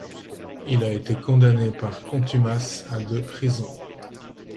Il a été condamné par contumace à de prison.